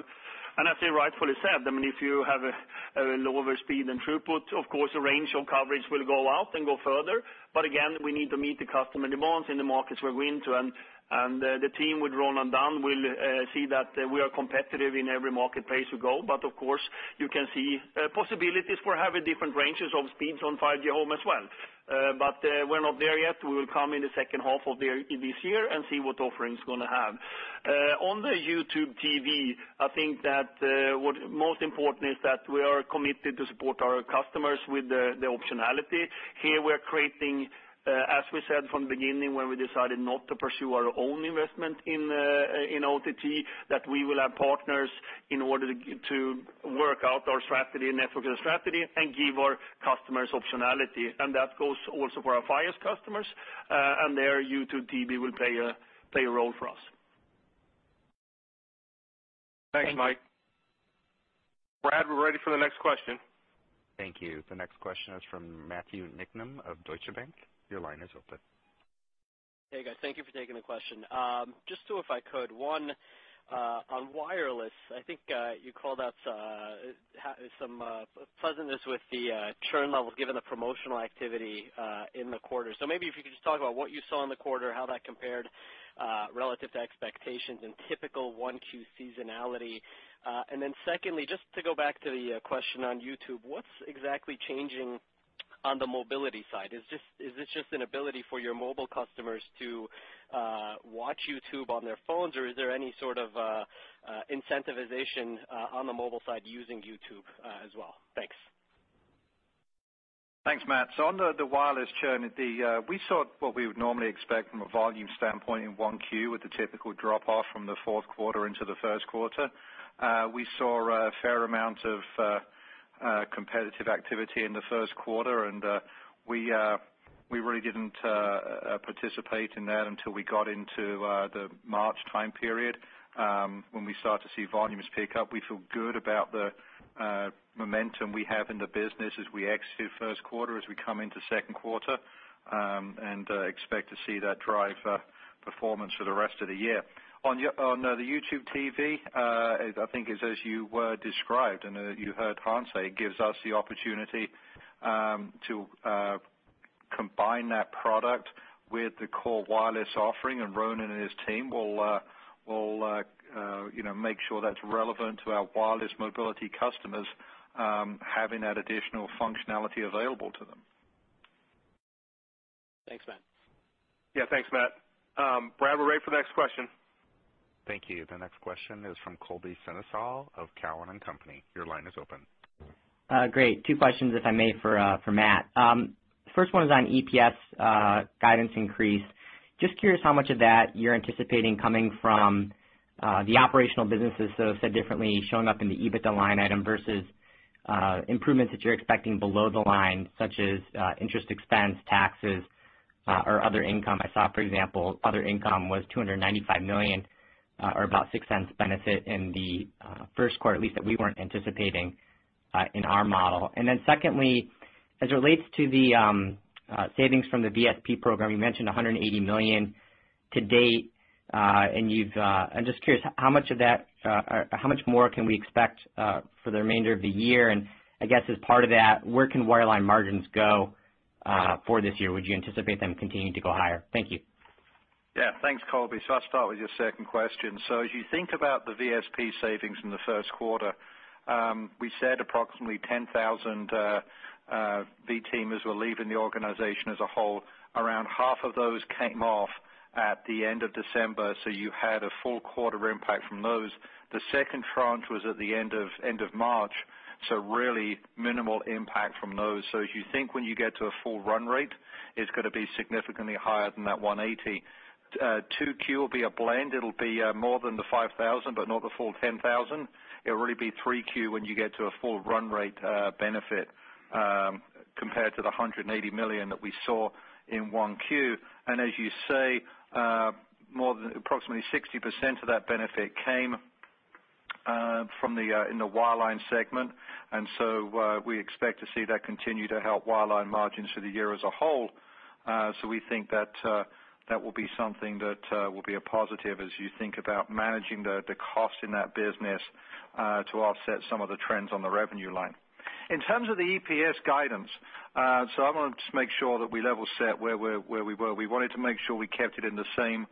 Speaker 3: As you rightfully said, I mean, if you have a lower speed and throughput, of course, the range of coverage will go out and go further. Again, we need to meet the customer demands in the markets we're going to, and the team with Ronan Dunne will see that we are competitive in every marketplace we go. Of course, you can see possibilities for having different ranges of speeds on 5G Home as well. We're not there yet. We will come in the second half of this year and see what offerings we're gonna have. On the YouTube TV, I think that what most important is that we are committed to support our customers with the optionality. Here we're creating, as we said from the beginning when we decided not to pursue our own investment in OTT, that we will have partners in order to work out our strategy and network strategy and give our customers optionality. That goes also for our Fios customers, and there YouTube TV will play a role for us.
Speaker 11: Thank you.
Speaker 2: Thanks, Mike. Brad, we're ready for the next question.
Speaker 1: Thank you. The next question is from Matthew Niknam of Deutsche Bank. Your line is open.
Speaker 12: Hey, guys. Thank you for taking the question. Just two, if I could. One, on wireless, I think, you called out some pleasantness with the churn levels given the promotional activity in the quarter. Maybe if you could just talk about what you saw in the quarter, how that compared relative to expectations and typical 1Q seasonality. Secondly, just to go back to the question on YouTube, what's exactly changing on the mobility side? Is this just an ability for your mobile customers to watch YouTube on their phones, or is there any sort of incentivization on the mobile side using YouTube as well? Thanks.
Speaker 4: Thanks, Matt. On the wireless churn, we saw what we would normally expect from a volume standpoint in 1Q with the typical drop-off from the fourth quarter into the first quarter. We saw a fair amount of competitive activity in the first quarter, and we really didn't participate in that until we got into the March time period, when we started to see volumes pick up. We feel good about the momentum we have in the business as we exit first quarter, as we come into second quarter, and expect to see that drive performance for the rest of the year. On the YouTube TV, I think it's as you were described and you heard Hans say, it gives us the opportunity to combine that product with the core wireless offering, and Ronan and his team will, you know, make sure that's relevant to our wireless mobility customers, having that additional functionality available to them.
Speaker 12: Thanks, Matt.
Speaker 2: Yeah, thanks, Matt. Brad, we're ready for the next question.
Speaker 1: Thank you. The next question is from Colby Synesael of Cowen and Company. Your line is open.
Speaker 13: Great. Two questions, if I may, for Matt. First one is on EPS guidance increase. Just curious how much of that you're anticipating coming from the operational businesses, so said differently, showing up in the EBITDA line item versus improvements that you're expecting below the line, such as interest expense, taxes, or other income. I saw, for example, other income was $295 million, or about $0.06 benefit in the first quarter, at least that we weren't anticipating in our model. Secondly, as it relates to the savings from the VSP program, you mentioned $180 million to date, and I'm just curious, how much of that, or how much more can we expect for the remainder of the year? I guess as part of that, where can wireline margins go for this year? Would you anticipate them continuing to go higher? Thank you.
Speaker 4: Thanks, Colby Synesael. I'll start with your second question. As you think about the VSP savings in the first quarter, we said approximately 10,000 V-Teamers were leaving the organization as a whole. Around half of those came off at the end of December, so you had a full quarter impact from those. The second tranche was at the end of March, so really minimal impact from those. As you think when you get to a full run rate, it's going to be significantly higher than that $180 million. 2Q will be a blend. It'll be more than the 5,000, but not the full 10,000. It'll really be 3Q when you get to a full run rate benefit compared to the $180 million that we saw in 1Q. As you say, more than approximately 60% of that benefit came from the in the wireline segment. We expect to see that continue to help wireline margins for the year as a whole. We think that that will be something that will be a positive as you think about managing the cost in that business to offset some of the trends on the revenue line. In terms of the EPS guidance, I want to just make sure that we level set where we're, where we were. We wanted to make sure we kept it in the same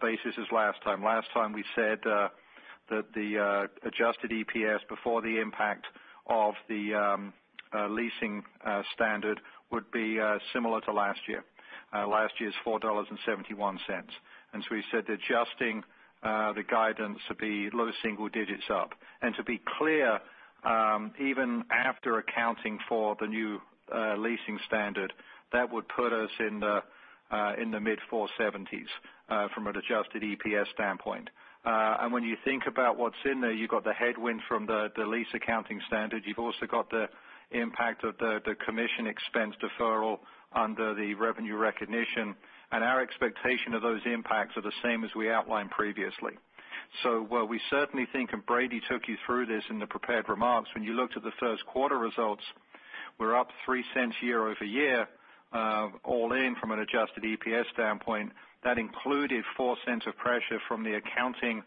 Speaker 4: basis as last time. Last time we said that the adjusted EPS before the impact of the leasing standard would be similar to last year. Last year's $4.71. We said adjusting the guidance would be low single digits up. To be clear, even after accounting for the new leasing standard, that would put us in the mid $4.70s from an adjusted EPS standpoint. When you think about what's in there, you've got the headwind from the lease accounting standard. You've also got the impact of the commission expense deferral under the revenue recognition. Our expectation of those impacts are the same as we outlined previously. While we certainly think, and Brady took you through this in the prepared remarks, when you looked at the first quarter results, we're up $0.03 year-over-year, all in from an adjusted EPS standpoint. That included $0.04 of pressure from the accounting.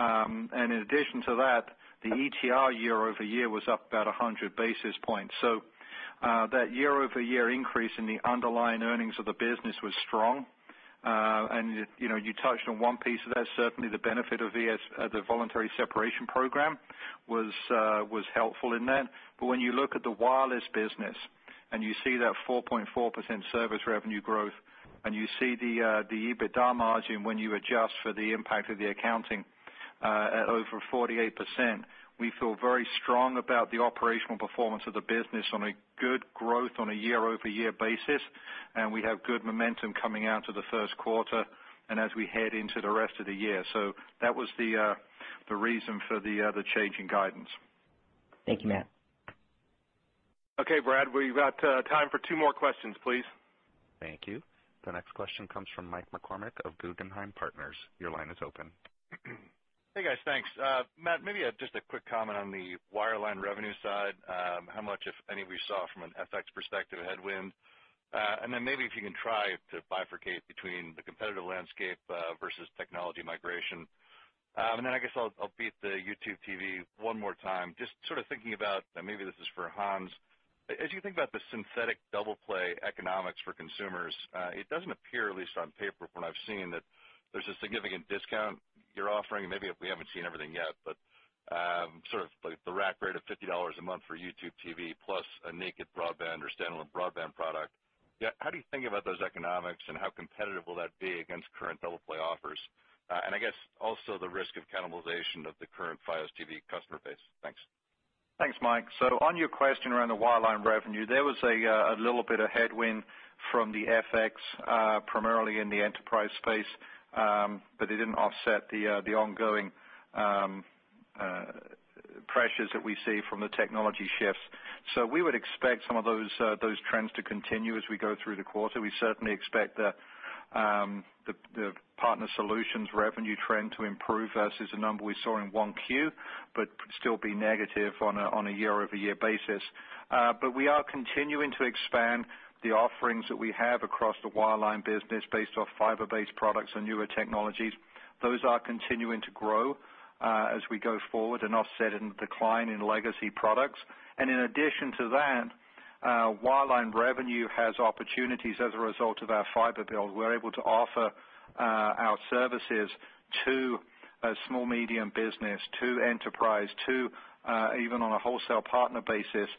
Speaker 4: In addition to that, the ETR year-over-year was up about 100 basis points. That year-over-year increase in the underlying earnings of the business was strong. You know, you touched on one piece of that. Certainly, the benefit of VSP, the Voluntary Separation Program was helpful in that. When you look at the wireless business and you see that 4.4% service revenue growth and you see the EBITDA margin when you adjust for the impact of the accounting at over 48%, we feel very strong about the operational performance of the business on a good growth on a year-over-year basis, and we have good momentum coming out of the first quarter and as we head into the rest of the year. That was the reason for the change in guidance.
Speaker 13: Thank you, Matt.
Speaker 2: Okay, Brad, we've got time for two more questions, please.
Speaker 1: Thank you. The next question comes from Michael McCormack of Guggenheim Partners. Your line is open.
Speaker 14: Hey, guys. Thanks. Matt Ellis, maybe just a quick comment on the wireline revenue side. How much, if any, we saw from an FX perspective headwind? Then maybe if you can try to bifurcate between the competitive landscape versus technology migration. Then I guess I'll beat the YouTube TV one more time. Just sort of thinking about, maybe this is for Hans Vestberg, as you think about the synthetic double play economics for consumers, it doesn't appear, at least on paper from what I've seen, that there's a significant discount you're offering. Maybe if we haven't seen everything yet, but sort of like the rack rate of $50 a month for YouTube TV plus a naked broadband or standalone broadband product. How do you think about those economics and how competitive will that be against current double play offers? I guess also the risk of cannibalization of the current Fios TV customer base. Thanks.
Speaker 4: Thanks, Mike. On your question around the wireline revenue, there was a little bit of headwind from the FX, primarily in the enterprise space, but it didn't offset the ongoing pressures that we see from the technology shifts. We would expect some of those trends to continue as we go through the quarter. We certainly expect the Verizon Partner Solutions revenue trend to improve versus the number we saw in 1Q, but still be negative on a year-over-year basis. We are continuing to expand the offerings that we have across the wireline business based off fiber-based products and newer technologies. Those are continuing to grow as we go forward and offset in decline in legacy products. In addition to that, wireline revenue has opportunities as a result of our fiber build. We're able to offer our services to small medium business, to enterprise, to even on a wholesale partner basis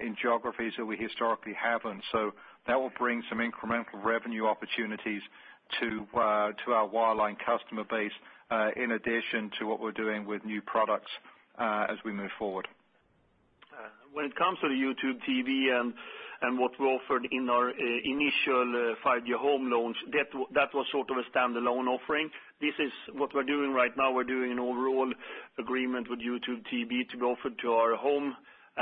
Speaker 4: in geographies that we historically haven't. That will bring some incremental revenue opportunities to our wireline customer base in addition to what we're doing with new products as we move forward.
Speaker 3: When it comes to the YouTube TV and what we offered in our initial 5G Home launch, that was sort of a standalone offering. This is what we're doing right now, we're doing an overall agreement with YouTube TV to go for to our Home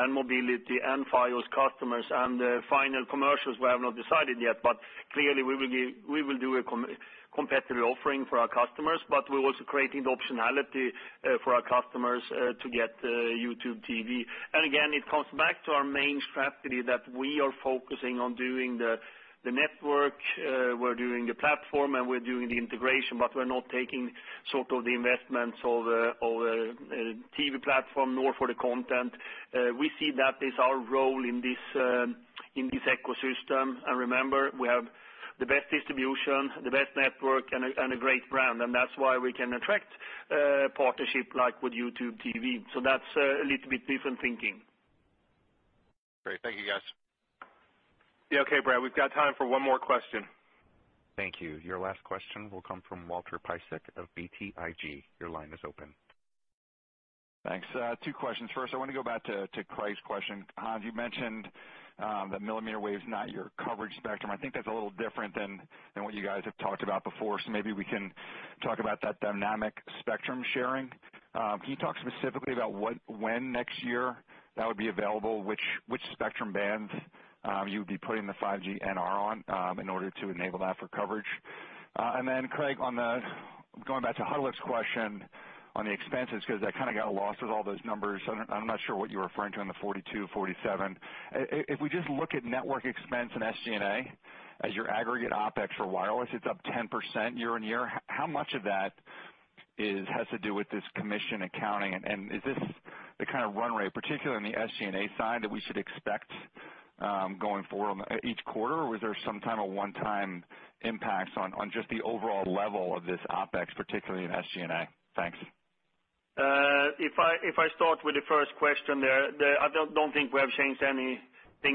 Speaker 3: and mobility and Fios customers, and the final commercials we have not decided yet, but clearly we will do a competitive offering for our customers, but we're also creating the optionality for our customers to get YouTube TV. Again, it comes back to our main strategy that we are focusing on doing the network, we're doing the platform, and we're doing the integration, but we're not taking sort of the investments of TV platform, nor for the content. We see that as our role in this ecosystem. Remember, we have the best distribution, the best network, and a great brand, and that's why we can attract partnership like with YouTube TV. That's a little bit different thinking.
Speaker 14: Great. Thank you, guys.
Speaker 2: Yeah. Okay, Brad, we've got time for one more question.
Speaker 1: Thank you. Your last question will come from Walter Piecyk of BTIG. Your line is open.
Speaker 15: Thanks. Two questions. First, I want to go back to Craig's question. Hans, you mentioned that millimeter wave is not your coverage spectrum. I think that's a little different than what you guys have talked about before. Maybe we can talk about that dynamic spectrum sharing. Can you talk specifically about what, when next year that would be available? Which spectrum band you would be putting the 5G NR on in order to enable that for coverage? Craig, going back to Hodulik's question on the expenses, because I kind of got lost with all those numbers. I'm not sure what you were referring to in the 42, 47. If we just look at network expense and SG&A as your aggregate OpEx for wireless, it's up 10% year-on-year. How much of that is, has to do with this commission accounting? Is this the kind of run rate, particularly on the SG&A side, that we should expect going forward each quarter? Or was there some kind of a one-time impact on just the overall level of this OpEx, particularly in SG&A? Thanks.
Speaker 3: If I start with the first question there, I don't think we have changed anything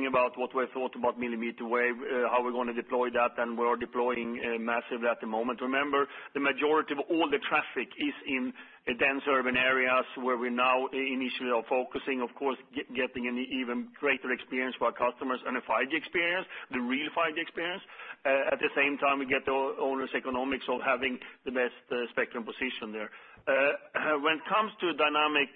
Speaker 3: about what we thought about millimeter wave, how we're gonna deploy that, and we're deploying massively at the moment. Remember, the majority of all the traffic is in dense urban areas where we now initially are focusing, of course, getting an even greater experience for our customers and a 5G experience, the real 5G experience. At the same time, we get the owners' economics of having the best spectrum position there. When it comes to dynamic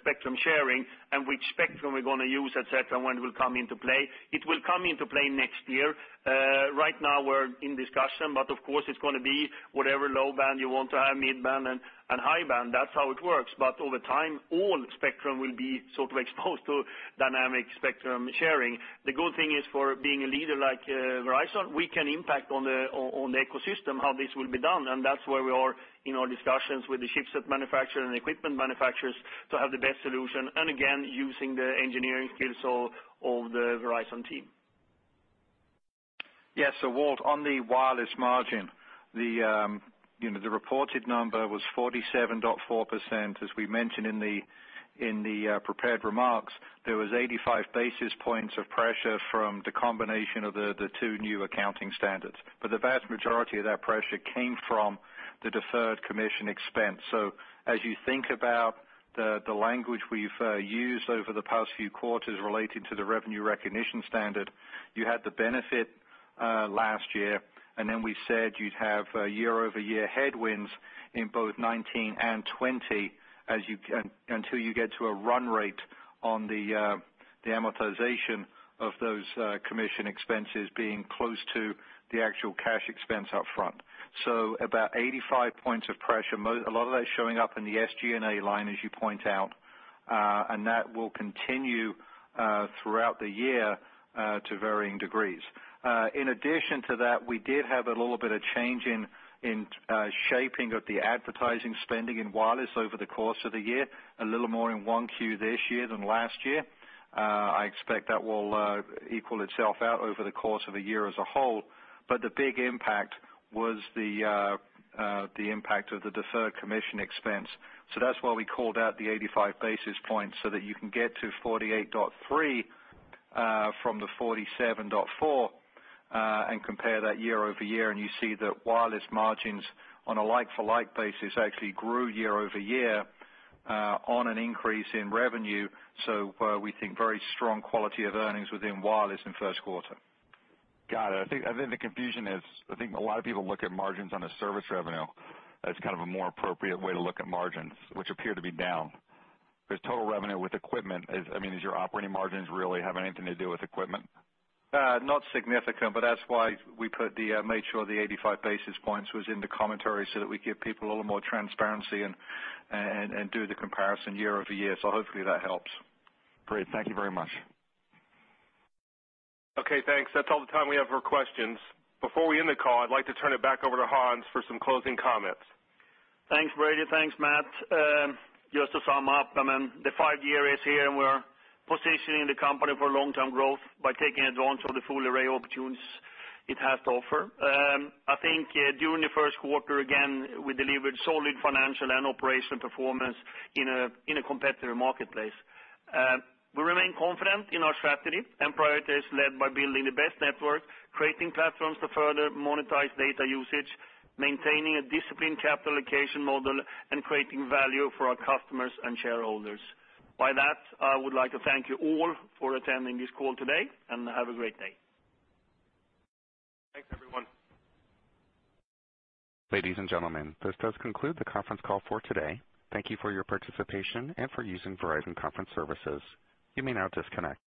Speaker 3: spectrum sharing and which spectrum we're gonna use, et cetera, when it will come into play, it will come into play next year. Right now we're in discussion, but of course it's gonna be whatever low band you want to have, mid band and high band. That's how it works. Over time, all spectrum will be sort of exposed to dynamic spectrum sharing. The good thing is for being a leader like Verizon, we can impact on the ecosystem how this will be done, and that's where we are in our discussions with the chipset manufacturer and equipment manufacturers to have the best solution, and again, using the engineering skills of the Verizon team.
Speaker 4: Yes. Walt, on the wireless margin, you know, the reported number was 47.4%. As we mentioned in the prepared remarks, there was 85 basis points of pressure from the combination of the two new accounting standards. The vast majority of that pressure came from the deferred commission expense. As you think about the language we've used over the past few quarters relating to the revenue recognition standard, you had the benefit last year, and then we said you'd have year-over-year headwinds in both 2019 and 2020 until you get to a run rate on the amortization of those commission expenses being close to the actual cash expense up front. About 85 points of pressure, a lot of that showing up in the SG&A line as you point out, and that will continue throughout the year to varying degrees. In addition to that, we did have a little bit of change in shaping of the advertising spending in wireless over the course of the year, a little more in 1Q this year than last year. I expect that will equal itself out over the course of a year as a whole. The big impact was the impact of the deferred commission expense. That's why we called out the 85 basis points so that you can get to 48.3 from the 47.4 and compare that year-over-year and you see that wireless margins on a like for like basis actually grew year-over-year on an increase in revenue. We think very strong quality of earnings within wireless in first quarter.
Speaker 15: Got it. I think the confusion is, I think a lot of people look at margins on a service revenue as kind of a more appropriate way to look at margins, which appear to be down. Total revenue with equipment is, I mean, is your operating margins really have anything to do with equipment?
Speaker 4: Not significant, but that's why we made sure the 85 basis points was in the commentary so that we give people a little more transparency and do the comparison year-over-year. Hopefully that helps.
Speaker 15: Great. Thank you very much.
Speaker 2: Okay, thanks. That's all the time we have for questions. Before we end the call, I'd like to turn it back over to Hans for some closing comments.
Speaker 3: Thanks, Brady. Thanks, Matt. Just to sum up, I mean, the 5G is here and we're positioning the company for long-term growth by taking advantage of the full array opportunities it has to offer. I think, during the first quarter, again, we delivered solid financial and operational performance in a competitive marketplace. We remain confident in our strategy and priorities led by building the best network, creating platforms to further monetize data usage, maintaining a disciplined capital allocation model, and creating value for our customers and shareholders. By that, I would like to thank you all for attending this call today, and have a great day.
Speaker 2: Thanks, everyone.
Speaker 1: Ladies and gentlemen, this does conclude the conference call for today. Thank you for your participation and for using Verizon Conferencing Services. You may now disconnect.